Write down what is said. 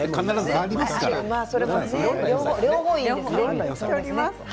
両方いいですね。